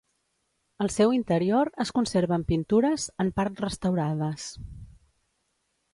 Al seu interior es conserven pintures, en part restaurades.